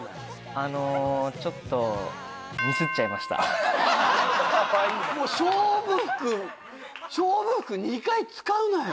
あのちょっともう勝負服勝負服２回使うなよ